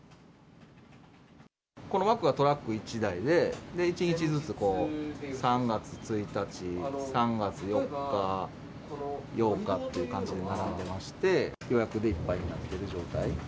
この枠がトラック１台で、１日ずつこう、３月１日、３月４日、８日っていう感じで並んでまして、予約でいっぱいになっているという状態。